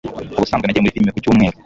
Ubusanzwe nagiye muri firime ku cyumweru.